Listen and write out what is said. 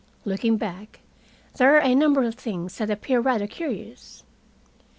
Looking back, there are a number of things that appear rather curious.